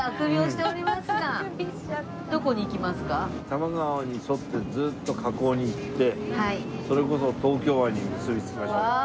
多摩川に沿ってずっと河口に行ってそれこそ東京湾に結びつきましょうよ。